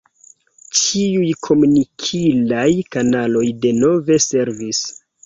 Ĉiuj komunikilaj kanaloj denove servis.